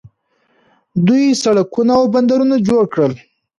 دوی سړکونه او بندرونه جوړ کړل.